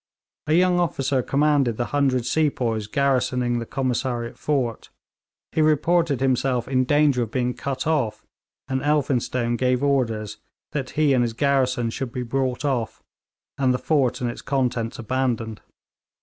A young officer commanded the hundred sepoys garrisoning the Commissariat fort; he reported himself in danger of being cut off, and Elphinstone gave orders that he and his garrison should be brought off, and the fort and its contents abandoned.